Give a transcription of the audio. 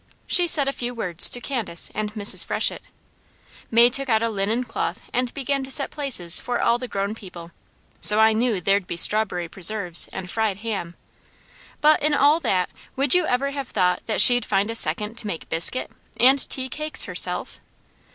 She said a few words to Candace and Mrs. Freshett, May took out a linen cloth and began to set places for all the grown people, so I knew there'd be strawberry preserves and fried ham, but in all that, would you ever have thought that she'd find a second to make biscuit, and tea cakes herself?